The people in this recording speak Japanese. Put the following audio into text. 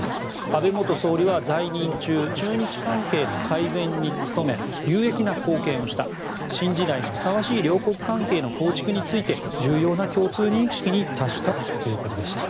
安倍元総理は在任中中日関係の改善に努め有益な貢献をした新時代にふさわしい両国関係の構築について重要な共通認識に達したということでした。